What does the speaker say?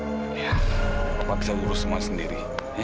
iya papa bisa urus semua sendiri